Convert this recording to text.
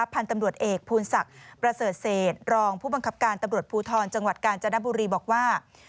พันธุ์ตำรวจเอกภูลศักดิ์ประเสริฐเศษรองผู้บังคับการตำรวจภูทรจังหวัดกาญจนบุรีบอกว่า